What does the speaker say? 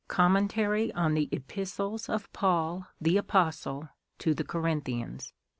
COMMENTARY EPISTLES OF PAUL THE APOSTLE THE CORINTHIANS.